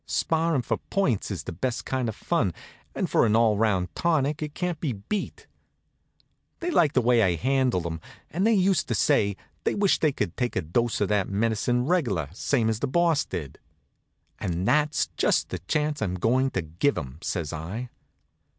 Sparrin' for points is the best kind of fun, and for an all 'round tonic it can't be beat. They liked the way I handled 'em, and they used to say they wished they could take a dose of that medicine reg'lar, same as the Boss did. "And that's just the chance I'm goin' to give 'em," says I.